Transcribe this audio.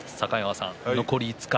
残り５日。